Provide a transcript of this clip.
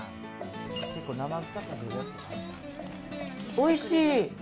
おいしい。